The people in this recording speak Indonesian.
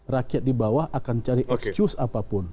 rakyat di bawah akan cari excuse apapun